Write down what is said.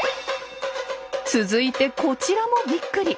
続いてこちらもびっくり！